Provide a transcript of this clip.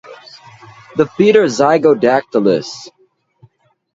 The feet are zygodactylous.